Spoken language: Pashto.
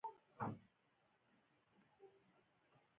هغې د زړه له کومې د غروب ستاینه هم وکړه.